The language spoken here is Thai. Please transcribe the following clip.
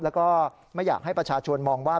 แล้วก็ไม่อยากให้ประชาชนมองว่า